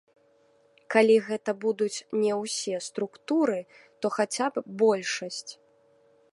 Калі гэта будуць не ўсе структуры, то хаця б большасць.